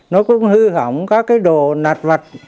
nó cũng hư hỏng các cái đồ nạt vặt